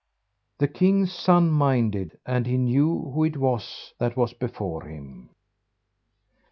The king's son minded, and he knew who it was that was before him.